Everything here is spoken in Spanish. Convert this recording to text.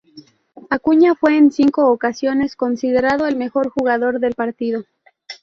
Acuña fue en cinco ocasiones considerado el mejor jugador del partido.